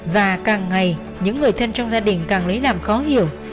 và càng ngày những người thân trong gia đình càng lấy làm khó hiểu